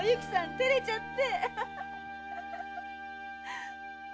照れちゃって。